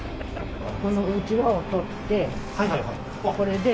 このうちわを取って、これで。